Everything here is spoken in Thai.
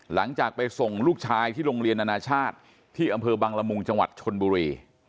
หลังจากไปส่งลูกชายที่โรงเรียนอนาชาติที่อำเภอบังละมุงจังหวัดชนบุรี